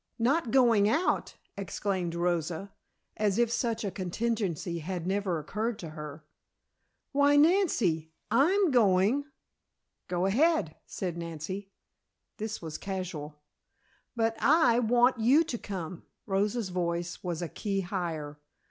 "Not going out!" exclaimed Rosa, as if such a contingency had never occurred to her. "Why, Nancy I'm going." "Go ahead," said Nancy. This was casual. "But I want you to come," Rosa's voice was a key higher.